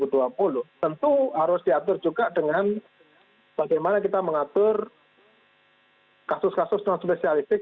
tentu harus diatur juga dengan bagaimana kita mengatur kasus kasus non spesialistik